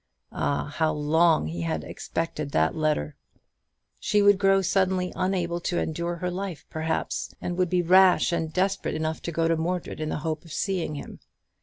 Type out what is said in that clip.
Ah, how long he had expected that letter! She would grow suddenly unable to endure her life, perhaps, and would be rash and desperate enough to go to Mordred in the hope of seeing him.